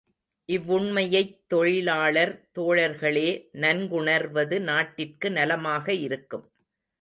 இவ்வுண்மையைத் தொழிலாளர் தோழர்களே நன்குணர்வது, நாட்டிற்கு நலமாக இருக்கும்.